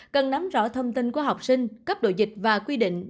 cần nắm rõ thông tin của học sinh cấp độ dịch và quy định